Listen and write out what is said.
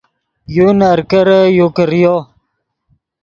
یو نرکرے یو کریو